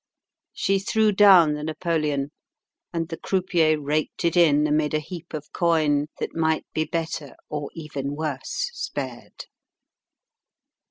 She threw down the napoleon, and the croupier raked it in amid a heap of coin that might be better or even worse spared.